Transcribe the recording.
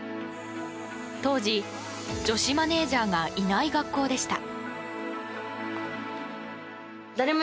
当時、女子マネジャーがいない学校でした。